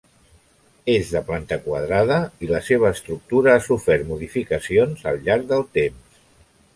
És de planta quadrada i la seva estructura ha sofert modificacions al llarg del temps.